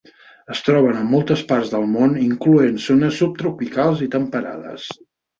Es troben en moltes parts del món incloent zones subtropicals i temperades.